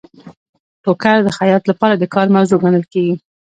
ټوکر د خیاط لپاره د کار موضوع ګڼل کیږي.